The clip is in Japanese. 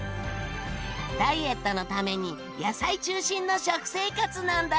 ダイエットのために野菜中心の食生活なんだって。